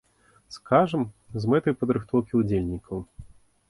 Скажам, з мэтай падрыхтоўкі ўдзельнікаў!